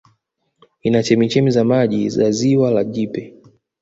Ina chemchemi za maji za Ziwa la Jipe